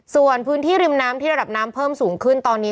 ส่วนพื้นที่ริมน้ำที่ระดับน้ำเพิ่มสูงขึ้นตอนนี้